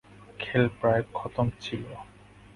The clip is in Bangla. খেল প্রায় খতম ছিল।